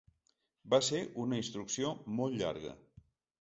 Va ser una instrucció molt llarga.